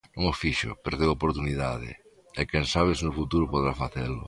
Non o fixo, perdeu a oportunidade, e quen sabe se no futuro poderá facelo.